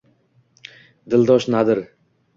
Dildosh nadir